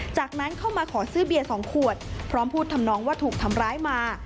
จากนั้นเข้ามาขอซื้อเบียร์๒ขวดพร้อมพูดทำนองว่าถูกทำร้ายมา